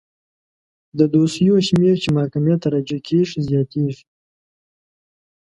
د دوسیو شمیر چې محکمې ته راجع کیږي زیاتیږي.